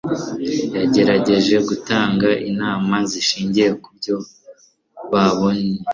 yagerageje gutanga inama zishingiye kubyo babonye